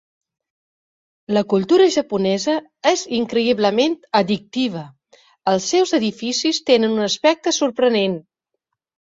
La cultura japonesa és increïblement addictiva, els seus edificis tenen un aspecte sorprenent.